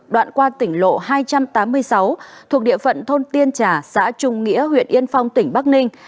đoạn qua tỉnh lộ hai trăm tám mươi sáu thuộc địa phận thôn tiên trà xã trung nghĩa huyện yên phong tỉnh bắc ninh